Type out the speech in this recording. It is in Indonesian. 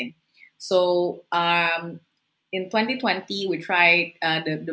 dalam dua ribu dua puluh kami mencoba